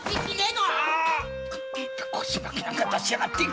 腰巻なんか出しやがって。